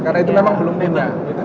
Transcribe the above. karena itu memang belum punya